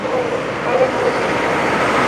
Calvert no volvió a casarse.